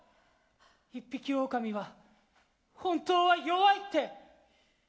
一匹オオカミは本当は弱いって。